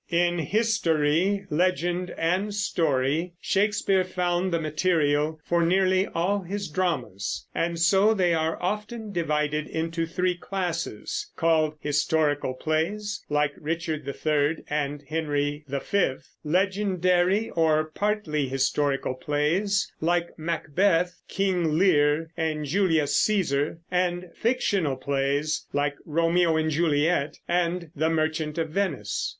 In history, legend, and story, Shakespeare found the material for nearly all his dramas; and so they are often divided into three classes, called historical plays, like Richard III and Henry V; legendary or partly historical plays, like Macbeth, King Lear, and Julius Cæsar; and fictional plays, like Romeo and Juliet and The Merchant of Venice.